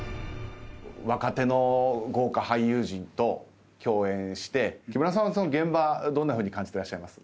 若手の豪華俳優陣と共演して木村さんはその現場どんなふうに感じてらっしゃいます？